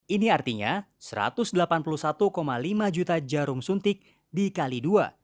ini artinya satu ratus delapan puluh satu lima juta jarum suntik dikali dua